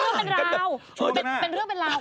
ของเราก็เป็นเรื่องเป็นราว